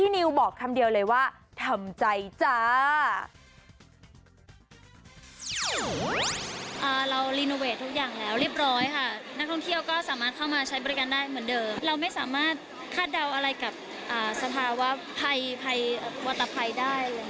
เราไม่สามารถคาดเดาอะไรกับสภาวะวัตถาภัยได้